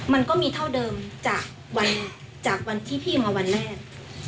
มันก็มีเท่าเดิมจากวันจากวันที่พี่มาวันแรก